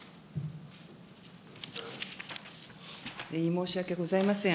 申し訳ございません。